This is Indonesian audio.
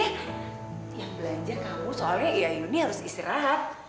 yang belanja kamu soalnya iayuni harus istirahat